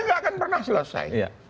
tidak akan pernah selesai